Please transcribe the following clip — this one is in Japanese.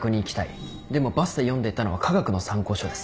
でもバスで読んでいたのは化学の参考書です。